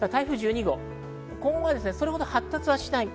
今後それほど発達はしない。